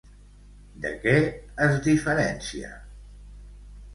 De què es diferencia?